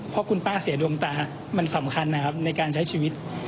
เพราะคุณป้าเสียดวงตามันสำคัญนะครับในการใช้ชีวิต